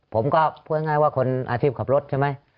ผมก็พูดง่ายว่าคนอาชีพขับรถใช่ไหม